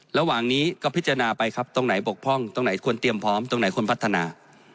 ระหว่างนี้ก็พิจารณาไปครับตรงไหนบกพร่องตรงไหนควรเตรียมพร้อมตรงไหนควรพัฒนา